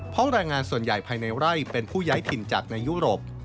เพราะแรงงานส่วนใหญ่ภายในไร่เป็นผู้ย้ายถิ่นจากในยุโรป